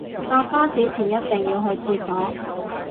搭巴士前一定要去廁所